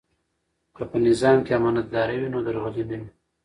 که په نظام کې امانتداري وي نو درغلي نه وي.